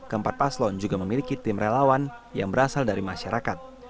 keempat paslon juga memiliki tim relawan yang berasal dari masyarakat